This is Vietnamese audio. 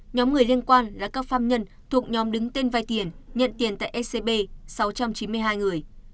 nhóm người liên quan là các phạm nhân thuộc nhóm đứng tên vay tiền nhận tiền tại scb sáu trăm chín mươi hai người